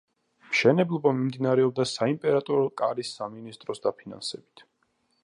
მშენებლობა მიმდინარეობდა საიმპერატორო კარის სამინისტროს დაფინანსებით.